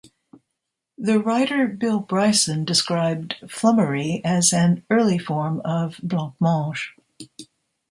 The writer Bill Bryson described flummery as an early form of blancmange.